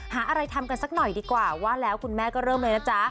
หาอะไรทำกันสักหน่อยดีกว่าว่าแล้วคุณแม่ก็เริ่มเลยนะจ๊ะ